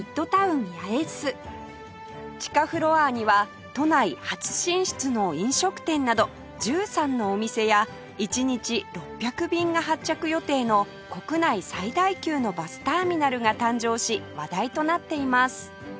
地下フロアには都内初進出の飲食店など１３のお店や一日６００便が発着予定の国内最大級のバスターミナルが誕生し話題となっています